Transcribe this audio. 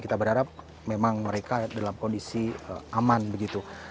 kita berharap memang mereka dalam kondisi aman begitu